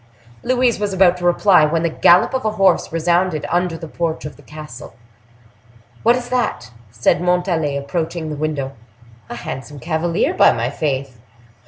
Louise was about to reply, when the gallop of a horse resounded under the porch of the castle. "What is that?" said Montalais, approaching the window. "A handsome cavalier, by my faith!"